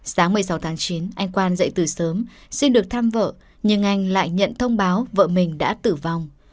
sáng một mươi sáu tháng chín anh quan dậy từ sớm xin được thăm vợ nhưng anh lại nhận thông báo vợ mình đã tử vong